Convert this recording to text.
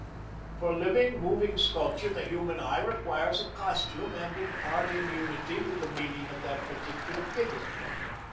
For living, moving sculpture, the human eye requires a costume and a part in unity with the meaning of that particular figure.